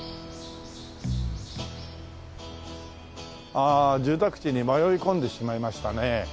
ああ住宅地に迷い込んでしまいましたね